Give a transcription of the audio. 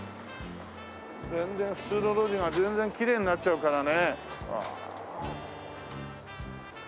全然普通の路地が全然きれいになっちゃうからね。